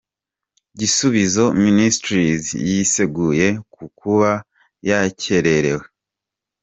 Gisubizo Ministries yiseguye ku kuba yakererewe.